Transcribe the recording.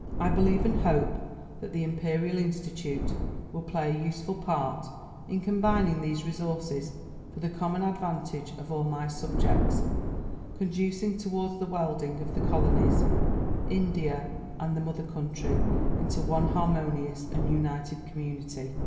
"I believe and hope that the Imperial Institute will play a useful part in combining those resources for the common advantage of all my subjects, conducing towards the welding of the colonies, India, and the mother country, into one harmonious and united community.